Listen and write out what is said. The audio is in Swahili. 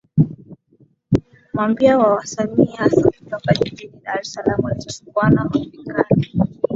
Mamia ya wasanii hasa kutoka jijini Dar es Salaam walichuana vikali